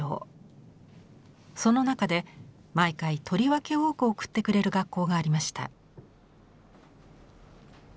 その中で毎回とりわけ多く送ってくれる学校がありました。